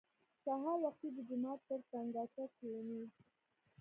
سهار وختي د جومات پر تنګاچه کښېني.